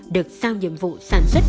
được sao nhiệm vụ sản xuất